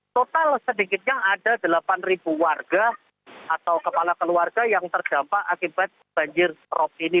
total sedikitnya ada delapan warga atau kepala keluarga yang terdampak akibat banjir rob ini